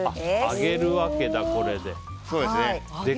揚げるわけだ、これで。